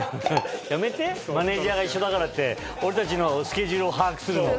やめてマネジャーが一緒だからって俺たちのスケジュールを把握するの。